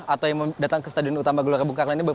atau yang datang ke stadion utama gelora bung karno ini